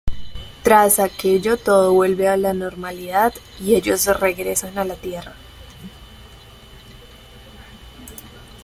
Tras aquello, todo vuelve a la normalidad y ellos regresan a la Tierra.